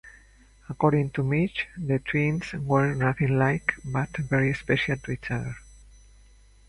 According to Midge, the twins were nothing like, but very special to each other.